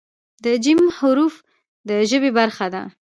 د "ج" حرف د ژبې برخه ده.